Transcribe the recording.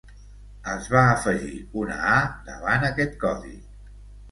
Es va afegir una A davant aquest codi.